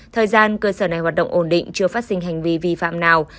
thời gian cơ sở này hoạt động ổn định chưa phát sinh hành vi vi phạm nào